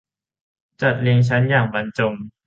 จัดเรียงชั้นอย่างบรรจง